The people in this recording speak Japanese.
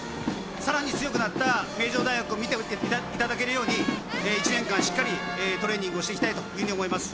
さらに強くなった名城大学を見ていただけるように１年間、しっかりトレーニングしていきたいと思います。